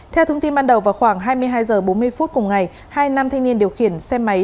theo thông tin ban đầu vào khoảng hai mươi hai h bốn mươi phút cùng ngày hai nam thanh niên điều khiển xe máy